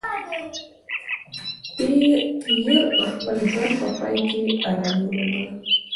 پییر د خپل ژوند په پای کې ارامي وموندله.